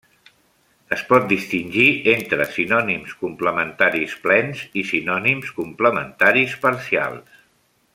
Es pot distingir entre sinònims complementaris plens i sinònims complementaris parcials.